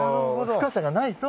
深さがないと。